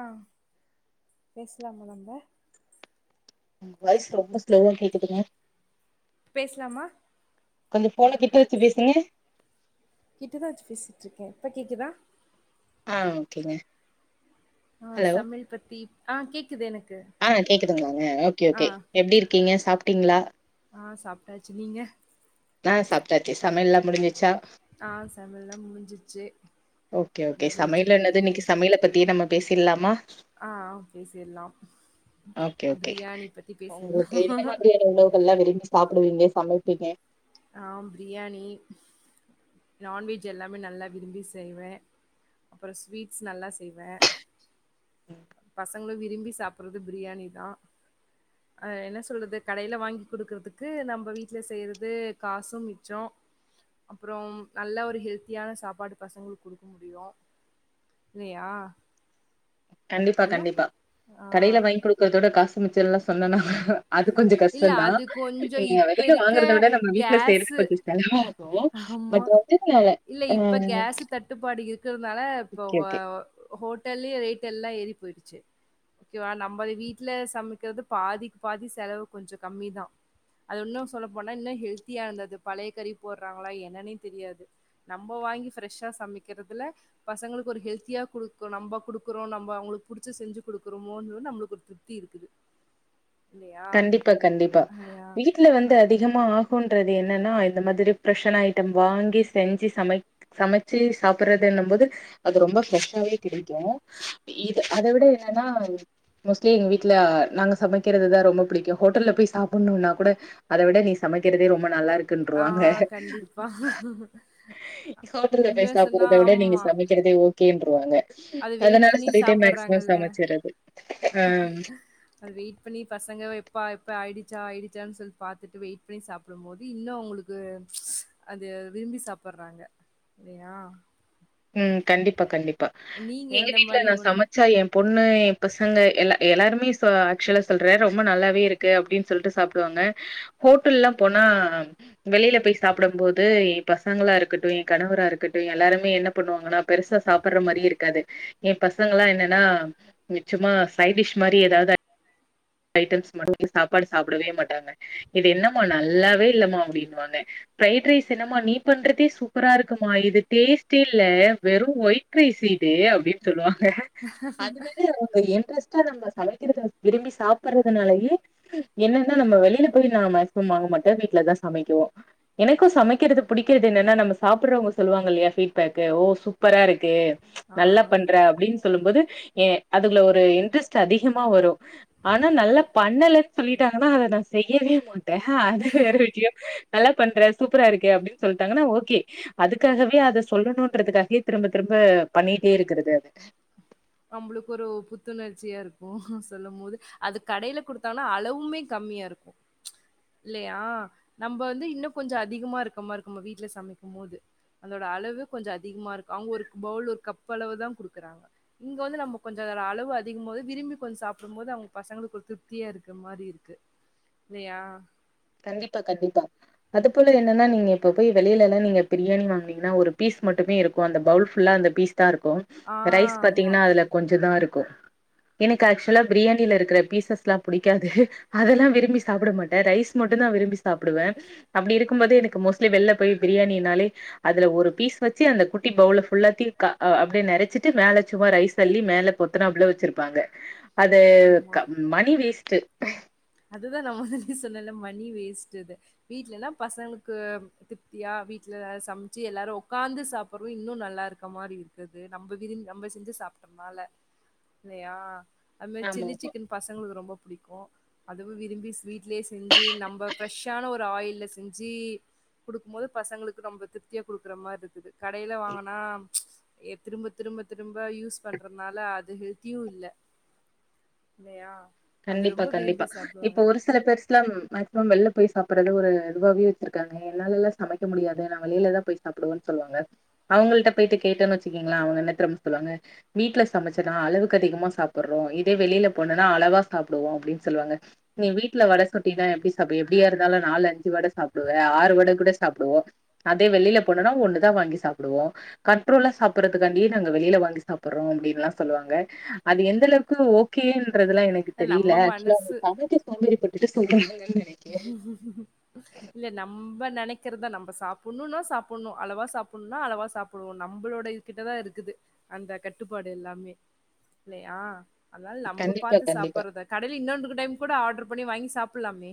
ஆ பேசலாம நம்ப உங்க வாய்சு ரொம்ப ஸ்லோவா கேக்குதுங்க பேசலாமா கொஞ்ச ஃபோன கிட்ட வச்சு பேசுங்க கிட்டதா வச்சு பேசிட்டு இருக்கே இப்ப கேக்குதா ஆ ஓகேங்க ஆ ஹலோ சமையல் பத்தி ஆ கேக்குது எனக்கு ஆ கேக்குதுங்களாங்க ஓகே ஆ ஓகே எப்டி இருக்கீங்க சாப்பிட்டீங்களா ஆ சாப்ட்டாச்சு நீங்க நான் சாப்ட்டாச்சு சமையெல்லா முடிஞ்சிச்சா ஆ சமைல்லா முடிஞ்சிருச்சி ஓகே ஓகே சமையல் என்னது இன்னைக்கு சமையல பத்தியே நம்ம பேசில்லாமா ஆ ஆ பேசில்லாம் ஓகே ஓகே உங்களுக்கு எந்த மாதிரியான உணவுகள்லாம் விரும்பி சாப்டுவீங்க சமைப்பீங்க ஆ பிரியாணி நான்வெஜ் எல்லாமே நல்லா விரும்பி செய்வே அப்புறம் ஸ்வீட்ஸ் நல்லா செய்வே பசங்களு விரும்பி சாப் சாப்புறது பிரியாணி தா அ என்ன சொல்றது கடையில வாங்கி குடுக்குறதுக்கு நம்ம வீட்டுல செய்யறது து காசு மிச்சோ அப்புறம் நல்ல ஒரு ஹெல்த்தியான சாப்பாடு பசங்களுக்கு குடுக்க முடியும் என்னயா கண்டிப்பா கண்டிப்பா ஆ கடையில வாங்கி குடுக்கறதோட காசு மிச்சோ எல்லாம் சொன்னேனா இல்ல அது கொஞ்சோ இப்ப வெளியில இருக்க வாங்கறத விட நம்ம வீட்ல செய்யறது கேஸ்சு கொஞ்சோ செலவாகு ஆமா பட் வந்து அ இல்ல இப்ப கேசு தட்டுப்பாடு இருக்கிறதுனால இப்ப ஓகே ஓகே ஹோட்டல்லயே ரேட் எல்லா ஏறி போயிடுச்சு ஓகேவா நம்ம வீட்டுல சமைக்கிறது பாதிக்கு பாதி செலவு கொஞ்சம் கம்மிதா அது உன்னு சொல்ல போனா இன்னு ஹெல்த்தியா இருந்தது பழைய கறி போடுறாங்களா என்னன்னே தெரியாது நம்ம வாங்கி ஃப்ரெஷ்ஷா சமைக்கிறதுல பசங்களுக்கு ஒரு ஹெல்தியா குடுக்க நம்ம குடுக்குறோ நம்ம அவங்களுக்கு புடிச்ச செஞ்சு குடுக்குறோமோன்ற நம்மளுக்கு ஒரு திருப் தி இருக்குது இல்லையா? கண்டிப்பா கண்டிப்பா அ யா. வீட்டுல வந்து அதிக நிஜமா ஆகுன்றது என்னன்னா இந்த மாதிரி பிர்ஷ்ஷான ஐட்டம் வாங்கி செஞ்சி சமை சமைச்சி சாப்பறது இன்னும் போது அது ரொம்ப ஃப்ரெஷ்ஷாவே கெடைக்கும் இது அத விட என்னன்னா மோஸ்ட்லி எங்க வீட்ல நாங்க சமைக்கிறது தா ரொம் ப புடிக்கும் ஹோட்டல்ல போய் சாப்பன்ணும்னா கூட அதை விட நீ சமைக்கிறதே ரொம்ப நல்லா இருக் ஆ குன்ருவாங்க கண்டிப்பா ஹோட்டல்ல உண்மைய போய் சொன்னா சாப்பிடுறதை விட நீங்க ஆமா சமைக் சமக்கிறதே ஓகேன்றுவாங்க அது வெயிட் அதனால பண்ணி சரின்டே மேக்சிமம் சாப்பட்றாங்கல்ல சமைச்சிறது ஆ அது வெயிட் பண்ணி பசங்க எப்பா எப்ப ஆயிடுச்சா ஆயிடுச்சான்னு சொல்லி பாத்துட்டு வெயிட் பண்ணி சாப் பிடும் போது இன்னும் அவங்களுக்கு அது விரும்பி சாப்பறாங்க இல்லையா ம் கண்டிப்பா கண்டிப்பா நீங்க எங்க எந்த வீட்டுல மாரி நான் ஒன் சம ச்சா என் பொண்ணு என் பசங்க எல்ல எல்லாருமே ஆக்சுவலா சொல்ற ரொம்ப நல்லாவே இருக் கு அப்டின் சொல்லிட்டு சாப்பிடுவாங்க ஹோட்டல்லா போனா வெளியில போய் சாப்பிடும் போது என் பசங்களா இருக்கட்டு என் கணவரா இருக்கட்டு எல்லாருமே என்ன பண்ணுவாங்கன்னா பெருசா சாப்பற்ற மாரியே இருக்காது என் பசங்கலா என்னன்னா நிச்சமா சைடிஷ் மாரி ஏதாவது ஐட்டம்ஸ் மட்டு இ சாப்பாடு சாப்பிடவே மாட்டாங்க இது என்னம் நல்லாவே இல்லமா அப்டின்னுவாங்க பிஃரைட் ரைஸ் என்னம்மா நீ பண்றதே சூப்பரா இருக்குமா இது டேஸ் ட்டில்ல வெறும் ஒயிட் ரைஸ் இது அப்டின் சொல்லுவாங்க அதனால அவ்ங் இன்ட்ரெஸ்ட்டா நம்ம சமைக்கிறத விரும்பி சாப்பறதுனாலயே என்னன்னா நம்ம வெளில போய் நா மேக்சிமம் வாங்க மாட்டே வீட்டுலதா சமைக்குவோ எனக்கு சமைக்கிறது புடிக்கிறது என்னன்னா நம்ம சாப்புறோங்க சொல்வாங்க இல்லயா ஃபீட் பேக்கு ஓ சூப்பராருக்கு ஆ நல்லா ஆ பண்ற அப்டின் சொல்லும் போது ஏ அதுல ஒரு இன்ட்ரெஸ்ட்டு அதிகமா வரு ஆனா நல்லா பண்ணலன் சொல்லிட்டாங்கன்னா அத நா செய்யவே மாட்டே அது வேற விஷயோ நல்லா பண்ற சூப்பராருக்கு அப்டின் சொல்ட்டாங்கன்னா ஓகே அதுக்காகவே அத சொல்லணுன்றதுக்காகயே திரும்ப திரும்ப பண்ணிட்டே இருக்குறது அது நம்பளுக்கு ஒரு புத்துணர்ச்சியா இருக்கு சொல்லும் போது அது கடைல குடுத்தாங்கன்னா அளவுமே கம்மியாருக்கு இல்லயா நம்ப வந்து இன்னு கொஞ்சோ அதிகமா இருக்கமார்ருக்குமா வீட்ல சமைக்கும்போது அதோட அளவு கொஞ்சோ அதிகமாருக்கு அவுங்க ஒரு பவுல் ஒரு கப் அளவு தா குடுக்குறாங்க இங்க வந்து நம்ம கொஞ்சோ அதோட அளவு அதிகம்போது விரும்பி கொஞ்சோ சாப்டும்போது அவுங்க பசங்களுக்கு ஒரு திருப்தியா இருக்ற மாரி இருக்கு இல்லயா கண்டிப்பா கண்டிப்பா அது போல என்னன்னா நீங்க இப்ப போய் வெளிலல்லா நீங்க பிரியாணி வாங்னீங்கன்னா ஒரு பீஸ் மட்டுமே இருக்கு அந்த பவுல் ஃபுல்லா அந்த பீஸ் தா இருக்கு ஆ ரைஸ் ஆமா, பாத்தீங்கன்னா அதுல கொஞ்சந்தாருக்கு எனக்கு ஆக்சுவலா பிரியாணில இருக்ற பீசஸ்லா புடிக்காது அதெல்லா விரும்பி சாப்ட மாட்டே ரைஸ் மட்டுந்தா விரும்பி சாப்டுவே அப்டி இருக்கும் போது எனக்கு மோஸ்ட்லி வெள்ல போய் பிரியாணினாலே அதுல ஒரு பீஸ் வச்சு அந்த கு ட்டி பவுல ஃபுல்லாத்தி க ஆ அப்டியே நெரச்சிட்டு மேல சும்மா ரைஸ் அள்ளி மேல பொத்துனாப்ள வச்சிருப்பாங்க அது க மணி வேஸ்ட்டு அதுதா நா ஆல்ரெடி சொன்னேல்ல மணி வேஸ்ட்டுது வீட்லனா பசங்ளுக்கு திருப்தியா வீட்ல சம்ச்சு எல்லாரு ஒக்காந்து சாப்புற இன்னு நல்லாரு க்க மாரி இருக்குது நம்ப விரு நம்ப செஞ்சு சாப்ட்டனால இல்லயா அதுமேரி ஆமா ஆமா சில்லி சிக்கன் பசங்களுக்கு ரொம்ப புடிக்கு அதுவு விரும்பி வீட்லயே செஞ்சு நம்ம ஃப்ரெஷ்ஷான ஒரு ஆயில்ல செஞ்சி குடுக்கும்போது பசங்களுக்கு ரொம்ப திருப்தியா குடுக்குற மார்ருக்குது கடைல வாங்னா எ திரும்ப திரும்ப திரும்ப யூஸ் பண்றதுனால அது ஹெல்த்தியு இல்ல இல்லயா கண்டிப்பா கண்டிப்பா இப்போ ஒரு சில பேர்ஸ்லா மேக்சிமம் வெளில போய் சாப்புறது ஒரு இதுவாவே வச்சிருக்காங்க என்னாலல்லா சமைக்க முடியாது நா வெளிலதா போய் சாப்டுவன் சொல்லுவாங்க அவுங்கள்ட்ட போய்ட்டு கேட்டேன்னு வச்சுக்கங்களே அவுங்க என்ன தெர்மா சொல்லுவாங்க வீட்ல சமச்சன்னா அளவுக்கு அதிகமா சாப்புறோ இதே வெளில போனேன்னா அளவா சாப்டுவோ அப்டின் சொல்வாங்க நீ வீட்ல வட சுட்டினா எப்டி சாப்பு எப்டியா இருந்தாலு நாலு அஞ்சு வட சாப்டுவ ஆறு வட கூட சாப்டுவோ அதே வெளில போனோனா ஒண்ணுதா வாங்கி சாப்டுவோ கன்ட்ரோல்லா சாப்புறதுக்கான்டியே நாங்க வெளில வாங்கி சாப்புறோ அப்டின்ல்லா சொல்லுவாங்க அது எந்தளவுக்கு ஓகேன்றதுல்லா எனக்கு நம்ம தெரில ஆக்சுவலா மனசு சமைக்க சோம்பேறி பட்டுட்டு சொல்றாங்கன் நெ இல்ல நம்ப நெனைக்கற்தா நம்ப சாப்புணுனா சாப்புணு அளவா சாப்புணுனா அளவா சாப் புணு நம்ளோட இது கிட்டதா இருக்குது அந்த கட்டுப்பாடு எல்லாமே இல்லயா அதனால நம்ப கண்டிப்பா பாத்து கண்டிப்பா சாப்புறத கடைல இன்னொன்றுக்கு டைம் கூட ஆட்ரு பண்ணி வாங்கி சாப்புலாமே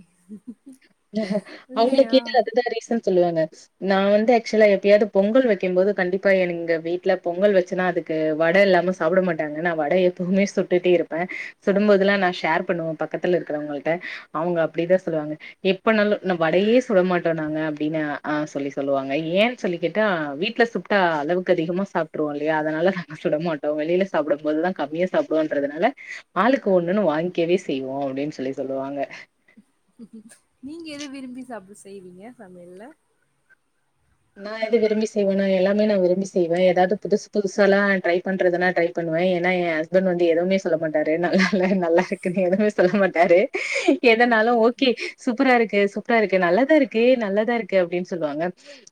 அவுங்கள கேட்டா அதுதா ரீசன் சொல்லுவாங்க நா வந்து ஆக்சுவலா எப்பயாவது பொங்கல் வைக்கும் போது கண்டிப்பா எங்க வீட்டுல பொங்கல் வச்சேன்னா அது க்கு வட இல்லாம சாப்பட மாட்டாங்க நா வட எப்பவுமே சுட்டுட்டே இருப்ப சுடும்போதெல்லா நா ஷேர் பண்ணுவ பக்க பக்கத்துல இருக்குறவுங்கள்ட்ட அவுங்க அப்படிதா சொல்லுவாங்க எப்பனாலு நா வடையே சுட மாட்டோ நாங்க அப்டின்னு ஆ சொல்லி சொல்லுவாங்க ஏன்னு சொல்லி கேட்டா வீட்ல சு ட்டா அளவுக்கு அதிகமா சாப்ட்டுருவோ இல்லையா அதனால நாங்க சுட மாட் வெளியில சாப்டும்போதுதா கம்மியா சாப்டுவோன்றதுனால ஆளுக்கு ஒண்ணுன்னு வாங்கிக்கவே செய்வோ அப்டின்னு சொல்லி சொல்லுவாங்க நீங்க எத விரும்பி சாப்ட செய்வீங்க சமையல்ல நா எது விரும்பி செய்வேன்னா எல்லாமே நா விரும்பி செய்வ எதாவது புது புதுசால்லாம ட்ரை பண்றதுனா ட்ரை பண்ணுவே ஏன்னா என் ஹஸ்பண்ட் வந்து எதுவுமே சொல்ல மாட்டாரு நல்லா இல்ல நல்லா இருக்குன்னு எதுவுமே சொல்ல மாட்டாரு எதனாலு ஓகே சூப்பரா இருக்கு சூப்பரா இருக்கு நல்லதா இருக்கு நல்லதா இருக்கு அப்டின்னு சொல்லுவாங்க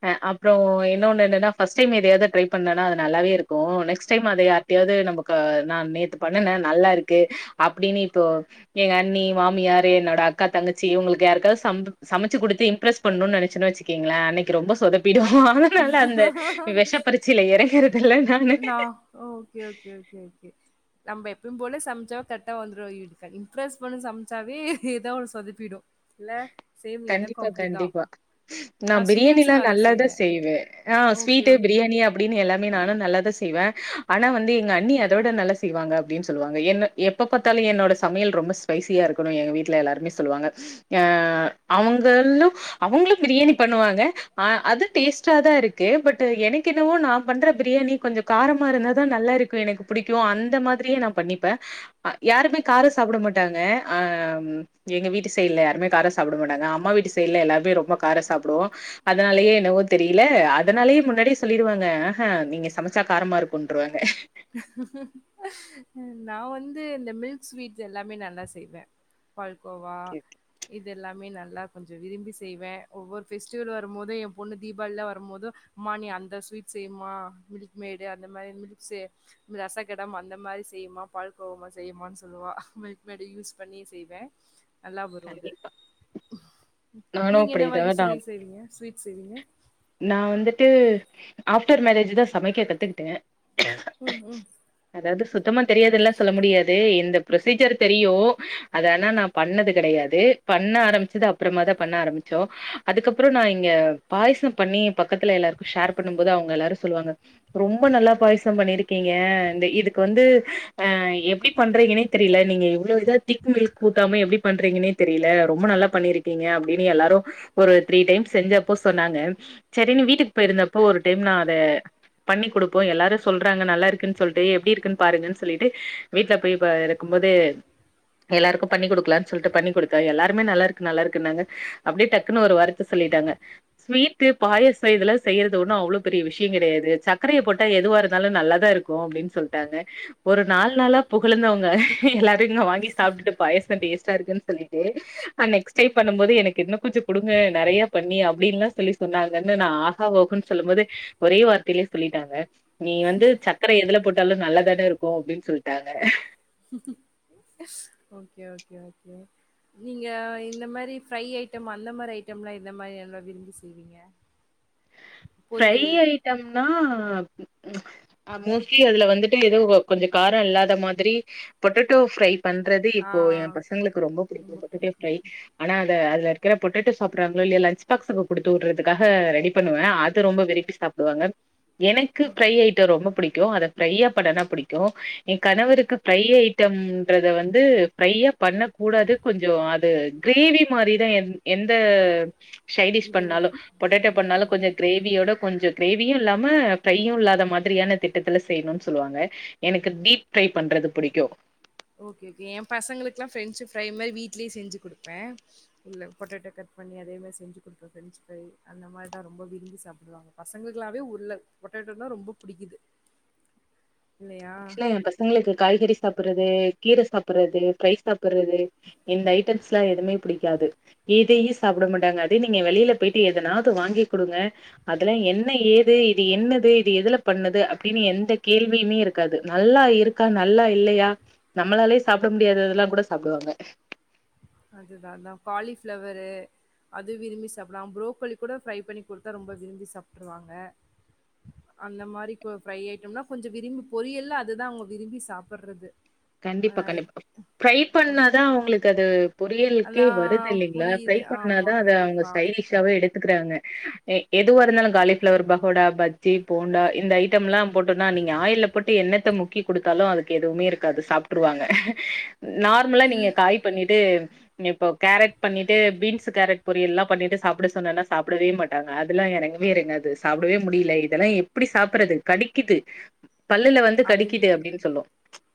அ அப்றோ என்னொன்னு என்னன்னா ஃபஸ்ட் டைம் எதயாது ட்ரை பண்ணன்னா அது நல்லாவே இருக்கு நேக்ஸ்ட் டைம் அத யார் கிட்டயாவது நம்பக்கு நா நேத்து பண்ணுன நல்லா இருக்கு அப்டின்னு இப்போ எங்க அண்ணி மாமியாரு என்னோட அக்கா தங்கச்சி இவுங்களுக்கு யாருக்காவது சம்பு சமைச் ச்சு குடுத்து இம்ப்ரஸ் பண்ணுன்னு நெனச்ச வச்சுக்கங்கள அன்னைக்கு ரொம்ப சொதப்பிடு அதனால அந்த ஓகே வெஷப்பறி ச்சைல இறங்கற துல்ல நானு நா ஓகே ஓகே ஓகே ஓகே நம் எப்பயு போல சம்ச்சோ கர்ட்டா வந்துரு இவுங்க இம்ப்ரஸ் பண்ண சமைச்சாவே ஏதா ஒன்னு சொதப்பிடு கண்டிப்பா கண்டிப்பா நா நான் பிரியாணிலா ஸ்வீட்ஸும் நல்லா நல்லாதா செய்வேன். செய்வே ஆ ஓகே, ஸ்வீட்டு ஓகே. பிரியாணி அப்டின்னு எல்லாமே நானு நல்லா தா செய்வ ஆனா வந்து எங்க அண்ணி அதோட நல்லா செய்வாங்க அப்டின்னு சொல்லுவாங்க என்ன எப்ப பாத்தாலு என்னோட சமையல் ரொம்ப ஸ்பைசியா இருக்கணு எங்க வீட்ல எல்லாருமே சொல்லுவாங்க அ அவுங்கன்னு அவுங்களும் பிரியாணி பண்ணுவாங்க அ அது டேஸ்ட்டா தா இருக்கு பட் எனக்கு என்னவோ நா பண்ற பிரியாணி கொஞ்ச காரமா இருந்தாதா நல்லா இருக்கு எனக்கு பிடிக்கு அந்த மாதிரியே நா பண்ணிப்ப அ யாருமே காரோ சாப்ட மாட்டாங்க அ எங்க வீட்டு சைடுல யா ருமே காரோ சாப்ட மாட்டாங்க அம்மா வீட்டு சைடுல எல்லார்மே ரொம்ப காரோ சாப்புடுவோ அதனாலயே என்னவோ தெரியல அதனாலயே முன்னாடியே சொல்லிருவாங்க ஆஹ நீங்க சமைச்சா காரமா இருக்கு கொன்டுருவாங்க நா வந்து இந்த மில்க் ஸ்வீட்ஸ் எல்லாமே நல்லா செய்வ பால்கோவா ஓகே ஓகே. இதெல்லாமே நல்லா கொஞ்சோ விரும்பி செய்வ ஒவ்வொரு ஃபெஸ்டிவல் வரும் போது எ பொண்ணு தீபாவளிலா வரும்போது அம்மா நீ அந்த ஸ்வீட் செய்மா மில்க் மேடு அந்த மாரி மில்க்ஸ்சு ரசகடம் அந்த மாரி செய்யுமா பால் கோவா செய்யுமானு சொல்லுவா மில்க்மேடு யூஸ் பண்ணி செய்வே நல்லா வரு‌ அது கண்டிப்பா நானு நீங்க என்ன அப்டிதா வகை நா ஸ்விட் செய்வீங்க ஸ்வீட்ஸ் செய்வீங்க நா வந்துட்டு ஆஃப்டர் மேரேஜ் தா சமைக்க கத்துக்கிட்ட ம் ம் அதாவது சுத்தமா தெரியாதுல்லா சொல்ல முடியாது இந்த ப்ரொசீஜர் தெரியு அத ஆனா நா பண்ணது கடையாது பண்ண ஆரம்பிச்சது அப்றமா தா பண்ண ஆரம்பிச்சோ அதுக்கப்புறோ நா இங்க பாயசம் பண்ணி பக்கத்துல எல்லாருக்கு ஷேர் பண்ணும் போது அவுங்க எல்லாரு சொல்லுவாங்க ரொம்ப நல்லா பாயசம் பண்ணிருக்கீங்க இந்த இதுக்கு வந்து அ எப்படி பண்றீங்கன்னே தெரியல நீங்க இவ்ளோ இதா திக்கு மில்க்கு ஊத்தாம எப்படி பண்றீங்கன்னே தெரியல ரொம்ப நல்லா பண்ணிருக்கீங்க அப்டின்னு எல்லாரு ஒரு த்ரீ டைம் செஞ்சப்போ சொன்னாங்க சரினு வீட்டுக்கு போயிருந்தப்போ ஒரு டைம் நா அத பண்ணி கொடுப்போ எல்லாரு சொல்றாங்க நல்லா இருக்குன்னு சொல்ட்டு எப்படி இருக்குன்னு பாருங்கன்னு சொல்லிட்டு வீட்ல போய் இப்ப இருக்கும் போது எல்லாருக்கு பண்ணி குடுக்குலான் சொல்ட்டு பண்ணி குடுத்த எல்லாருமே நல்லா இருக்கு நல்லா இருக்குன் நாங்க அப்டியே டக்குன்னு ஒரு வார் த் சொல்லிட்டாங்க ஸ்வீ டு பாயசோ இதெல்லா செய்யறது ஒன்னு அவுளோ பெரிய விஷ்யோ கெடையாது சக்கரைய போட்டா எதுவா இருந்தாலு நல்லாதா இருக்கு அப்டின் சொல் ட்டாங்க ஒரு நால் நாளா புகழுந்தவ்ங்க எல்லாரு இன்னு வாங்கி சாப்டுட்டு பாயசோ டேஸ்ட்டா இருக்குன் சொல்லிட்டு ஆ நெக்ஸ்ட் டை பண்ணும்போது எனக்கு இன்னு கொஞ்சோ குடுங்க நெறைய பண்ணி அப்டின்ல்லா சொல்லி சொன்னாங்கனு நா ஆஹா ஓஹோன் சொல்லும்போது ஒரே வார்த்தலே சொல்லிட்டாங்க நீ வந்து சக் கர எதுல போட்டாலு நல்லதான இருக்கு அப்டின் சொல்ட்டாங்க ஓகே ஓகே ஓகே நீங்க இந்த மாரி ஃப்ரை ஐட்டம் அந்த மாரி ஐட்டம்லா எந்த மாரி எல்லா விரும்பி செய்வீங்க ஃப்ரை பொரியல் ஐட்டம்னா ம் ம் அ மோஸ்ட்லி அதுல வந்துட்டு எதோ கொஞ்சோ காரோ இல்லாத மாதிரி பொட்டட்டோ ஃப்ரை பண்றது ஆ. இப்போ என் பசங்ளுக்கு ரொம்போ ரொம்ப புடிக்கு பொட்டட்டோ பிடிக்கும். ஃப்ரை ஆனா அத அதுல இருக்குற பொட்டேட்டோ சாப்டுறாங்ளோ இல்லயோ லஞ்ச் பாக்ஸுக்கு குடுத்து உட்றதுக்காக ரெடி பண்ணுவ அ து ரொம்ப விரும்பி சாப்டுவாங்க எனக்கு ஃப்ரை ஐட்டோ ரொம்ப பிடிக்கு அத ஃப்ரையா பண்ணாதா பிடிக்கு என் கணவருக்கு ஃப்ரை ஐட்டம்ன்றத வந்து ஃப்ரையா பண்ண கூடாது கொஞ்சோ அது கிரேவி மாரிதா என் எந்த சைடிஷ் இதுவுமே பண்ணாலு பொட்டேட்டோ ஓகே, பண்ணாலு கொஞ்ச ஓகே. கிரேவியோட கொஞ்சோ கிரேவியு இல்லாம ப்ரையு இல்லாத மாதிரியான திட்டத்துல செய்னுன்சொல்வாங்க எனக்கு டீப் ப்ரை பண்றது பிடிக்கு ஓகே ஓகே என் பசங்ளுக்குலா பிரஞ்சு ஃப்ரை மாரி வீட்லே செஞ்சு குடுப்பே இந்த பொட்டேட்டோ கட் பண்ணி அதே மாரி செஞ்சு குடுப்ப ப்ரெஞ்ச் ப்ரை அந்த மாரிதா ரொம்ப விரும்பி சாப்டுவாங்க பசங்ளுக்குளாவே உர்ள பொட்டேட்டோனா ரொம்ப பிடிக்குது இல்லையா? ஆக்சுவலா என் பசங்ளுக்கு காய்கறி சாப்புறது கீர சாப்புறது ரைஸ் சாப்புறது இந்த ஐட்டம்ஸ்லா எதுமே புடிக்காது ஏன்ட்டையே சாப்ட மாட்டாங்க அதே நீங்க வெளில போய்ட்டு எதனாது வாங்கி குடுங்க அதுலா என்ன ஏது இது என்னது இது எதுல பண்ணது அப்டின்னு எந்த கேள்வியுமே இருக் காது நல்லா இருக்கா நல்லா இல்லயா நம்மளாலயே சாப்ட முடியாததுலா கூட சாப்டுவாங்க அதுதா அதா காலிஃபிளவரு அது விரும்பி சாப்லா புரோக்கலி கூட ஃப்ரை பண்ணி குடுத்தா ரொம்ப விரும்பி சாப்ட்ருவாங்க அந்த மாரி கு ஃப்ரை ஐட்டம்னா கொஞ்சோ விரும்பி பொரியல்ல அதுதா அவுங்க விரும்பி சாப்புட்றது கண்டிப்பா கண்டிப்பா ஃப்ரை பண்ணாதா அவுங்ளுக்கு அது பொரியலுக்கே அதா வருது இல்லைங்ளா ஃப்ரை புரியுது ஆமா பண்ணாதா அத அவுங்க கண்டிப்பா சைடிஸ்ஷாவே எடுத்துக்குறாங்க எ எதுவா இருந்தாலு காலிஃபிளவர் பகோடா பஜ்ஜி போண்டா இந்த ஐட்டம்லா போட்டோனா நீங்க ஆயில்ல போட்டு எண்ணத்த முக்கி குடுத்தாலு அதுக்கு எதுவுமே இருக் காது சாப்ட்ருவாங்க நார்முலா கீ நீங்க காய் பண்ணிட்டு இப்போ கேரட் பண்ணிட்டு பீன்ஸு கேரட் பொரியல்லா பண்ணிட்டு சாப்டு சொன்னாலா சாப்டவே மாட்டாங்க அதுலா எறங்கவே எறங்காது சாப்டவே முடில இதெல்லா எப்புடி சாப்புறது கடிக்குது பல்லுல வந்து அதில் கடிக்கிது அப்டின் சொல்லு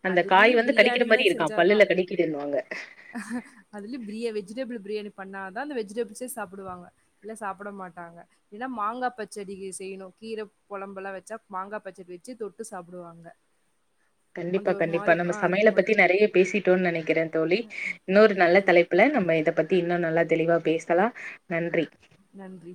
அந்த அதுலயு காய் வந்து கடிக்கிற பிரியாணி மாரி இருக்கா பல்லுல கடிக்கிதுன்வாங்க அதுலே பிரியா வெஜிடேபிள் பிரியாணி பண்ணாதா அந்த வெஜிடேபிள்ஸே சாப்புடுவாங்க இல்ல சாப்ட மாட்டாங்க இனா மாங்கா பச்சடிகே செய்ணு கீர கொழம்புலா வச்சா மாங்கா பச்சடி வச்சு தொட்டு சாப்டுவாங்க கண்டிப்பா கண்டிப்பா நம்ம அந்த சமயல மா பத்தி நெறைய பேசிட்டோன் நெனக்கிற தோழி இன்னொரு நல்ல ஓகே தலை புல நம்ம இத பத்தி இன்னு நல்லா தெளிவா பேசலா நன்றி நன்றி